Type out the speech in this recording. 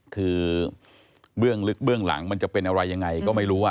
คือเบื้องลึกเบื้องหลังมันจะเป็นอะไรยังไงก็ไม่รู้